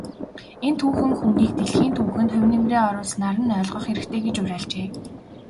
Энэ түүхэн хүнийг дэлхийн түүхэнд хувь нэмрээ оруулснаар нь ойлгох хэрэгтэй гэж уриалжээ.